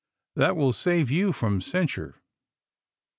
That will gave you from censure.